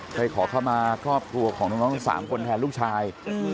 เคยขอเข้ามาครอบครัวของน้องทั้ง๓คนแทนลูกชาย